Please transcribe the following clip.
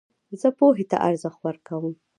زه پوهي ته ارزښت ورکوم.